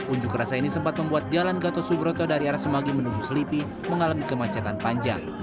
unjuk rasa ini sempat membuat jalan gato subroto dari arasemagi menuju selipi mengalami kemancetan panjang